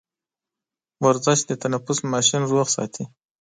ورزش د تنفس ماشين روغ ساتي.